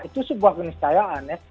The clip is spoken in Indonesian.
itu sebuah keniscayaan